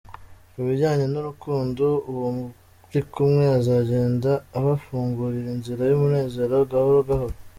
Ku bijyanye n’urukundo, uwo muri kumwe azagenda abafungurira inzira y’umunezero gahoro gahoro.